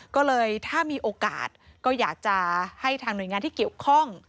ก็เลยถ้ามีโอกาสก็อยากจะให้ทางหน่วยงานที่เกี่ยวข้อง